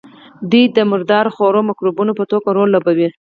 دوی د مردار خورو مکروبونو په توګه رول لوبوي.